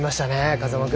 風間君。